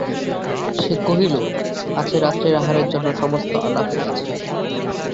সে কহিল, আছে–রাত্রের আহারের জন্য সমস্ত আনা হইয়াছে।